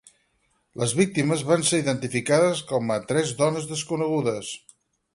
Les víctimes van ser identificades com a tres dones desconegudes.